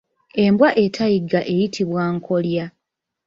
Embwa etayigga eyitibwa nkolya.